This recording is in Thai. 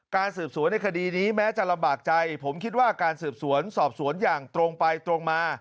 การสืบสวนในคดีนี้แม้จะลำบากใจผมคิดว่าการสืบสวนสอบสวนอย่างตรงไปตรงมา